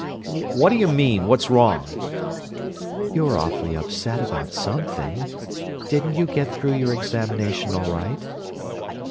"What do you mean: 'What's wrong?'" "You're awfully upset about something. Didn't you get though your examination all right?"